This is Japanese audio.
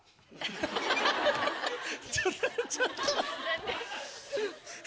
ちょちょっと。